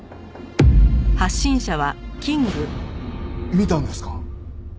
見たんですか？